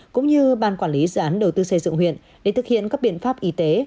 cũng như ban quản lý dự án đầu tư xây dựng huyện để thực hiện các biện pháp y tế